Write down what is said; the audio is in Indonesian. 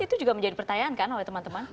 itu juga menjadi pertanyaan kan oleh teman teman